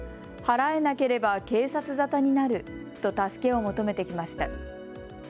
払えなければ警察沙汰になると助けを求めてきました。